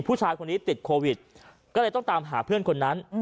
ผู้ชายคนนี้ติดโควิดก็เลยต้องตามหาเพื่อนคนนั้น